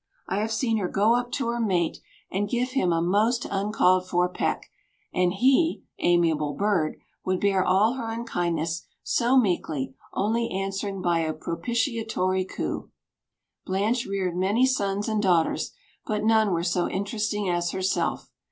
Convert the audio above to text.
I have seen her go up to her mate and give him a most uncalled for peck, and he amiable bird! would bear all her unkindness so meekly, only answering by a propitiatory coo. Blanche reared many sons and daughters, but none were so interesting as herself.